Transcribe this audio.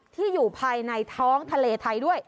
ที่อยู่ภายในท้องทะเลไทยด้วย